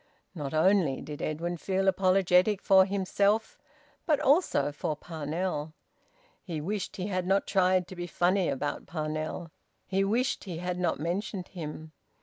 Not only did Edwin feel apologetic for himself, but also for Parnell. He wished he had not tried to be funny about Parnell; he wished he had not mentioned him.